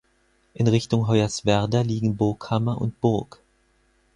In Richtung Hoyerswerda liegen Burghammer und Burg.